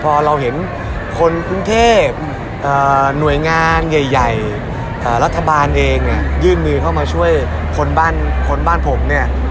พอเราเห็นคนคุ้งเทพหน่วยงานใหญ่รัฐบาลเองยื่นมือเข้ามาช่วยคนบ้านผมเนี่ย